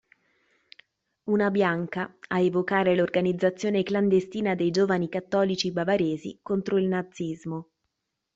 Una bianca, a evocare l'organizzazione clandestina dei giovani cattolici bavaresi contro il nazismo.